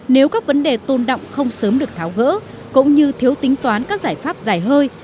nếu các vấn đề tôn động không sớm được tháo gỡ cũng như thiếu tính toán các giải pháp dài hơi